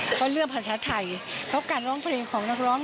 เพราะเรื่องภาษาไทยเพราะการร้องเพลงของนักร้อง